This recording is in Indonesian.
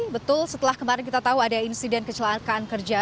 betul setelah kemarin kita tahu ada insiden kecelakaan kerja